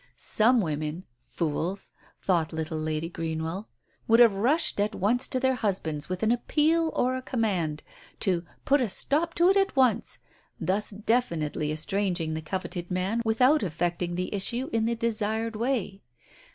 Some women — fools !— thought little Lady Greenwell — would have rushed at once to their husband with an appeal or a command, to "put a stop to it at once," thus definitely estranging the coveted man without affecting the issue in the desired way.